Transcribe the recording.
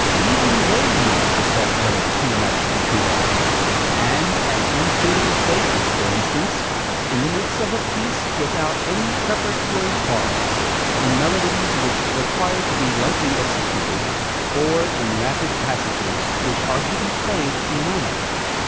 Even they use the soft pedal too much and too often, and at unsuitable places; for instance, in the midst of a piece, without any preparatory pause; in melodies which require to be lightly executed; or in rapid passages which are to be played piano.